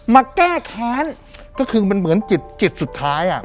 มาแก้แค้นก็คือมันเหมือนจิตจิตสุดท้าย